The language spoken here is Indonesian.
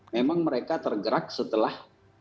memang mereka tergerak setelah